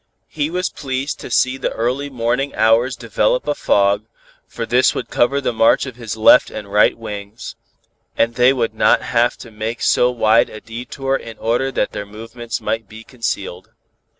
He was pleased to see the early morning hours develop a fog, for this would cover the march of his left and right wings, and they would not have to make so wide a detour in order that their movements might be concealed.